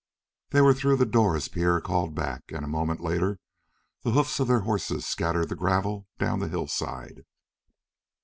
They were through the door as Pierre called back, and a moment later the hoofs of their horses scattered the gravel down the hillside.